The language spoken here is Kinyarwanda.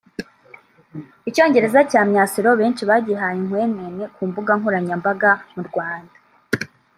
Icyongereza cya Myasiro benshi bagihaye inkwenene ku mbuga nkoranyambaga mu Rwanda